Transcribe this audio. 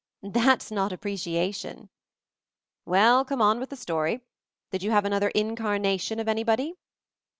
"That's not appreciation !" "Well, come on with the story. Did you have another Incarnation of any body?"